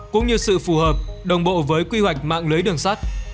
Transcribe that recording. cũng như sự phù hợp đồng bộ với quy hoạch mạng lưới đường sắt